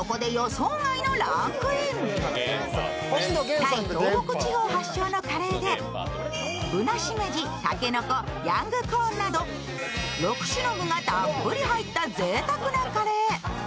タイ東北地方発祥のカレーで、ぶなしめじ、竹の子、ヤングコーンなど６種類の具材がたっぷり入ったぜいたくなカレー。